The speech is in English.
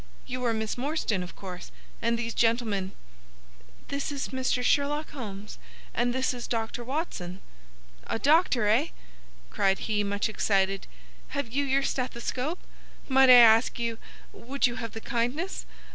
You are Miss Morstan, of course. And these gentlemen—" "This is Mr. Sherlock Holmes, and this is Dr. Watson." "A doctor, eh?" cried he, much excited. "Have you your stethoscope? Might I ask you—would you have the kindness?